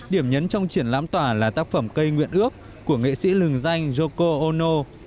điểm nhấn trong triển lãm tỏa là tác phẩm cây nguyện ước của nghệ sĩ lừng danh yoko ono